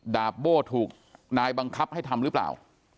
ดาบโบ้ถูกนายบังคับให้ทำหรือเปล่า